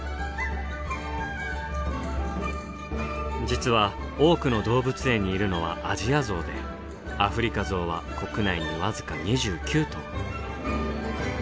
実は多くの動物園にいるのはアジアゾウでアフリカゾウは国内に僅か２９頭。